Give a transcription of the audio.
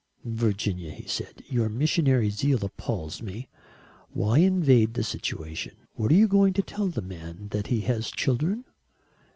"Virginia," he said, "your missionary zeal appals me. Why invade the situation? What are you going to tell the man? That he has children?"